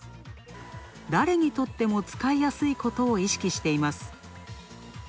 誰にとっても使いやすいことを意識しています。